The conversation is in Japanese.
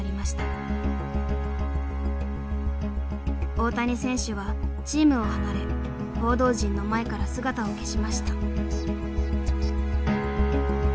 大谷選手はチームを離れ報道陣の前から姿を消しました。